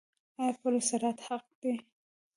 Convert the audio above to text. آیا پل صراط حق دی؟